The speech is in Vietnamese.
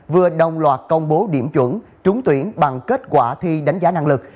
vừa đồng loạt công bố điểm chuẩn trúng tuyển bằng kết quả thi đánh giá năng lực